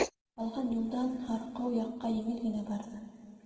Тапалған юлдан һарҡыу яҡҡа еңел генә барҙы.